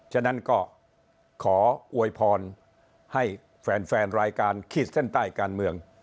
ฉะนั้นก็ขออวยพรให้แฟนรายการขีดเส้นใต้การเมือง